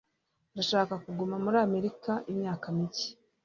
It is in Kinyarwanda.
ndashaka kuguma muri amerika imyaka mike